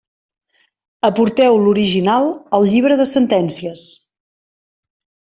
Aporteu l'original al llibre de sentències.